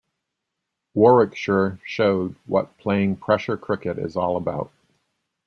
Warwickshire showed what playing pressure cricket is all about.